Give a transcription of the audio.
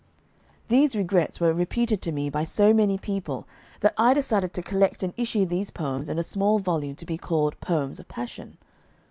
These regrets were repeated to me by so many people that I decided to collect and issue these poems in a small volume to be called "Poems of Passion."